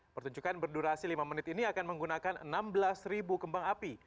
pertunjukan berdurasi lima menit ini akan menggunakan enam belas kembang api